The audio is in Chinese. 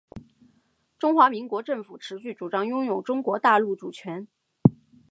中华民国政府持续主张拥有中国大陆主权